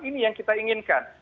ini yang kita inginkan